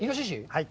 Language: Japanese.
はい。